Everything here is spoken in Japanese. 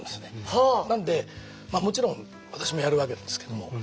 なのでもちろん私もやるわけですけれども。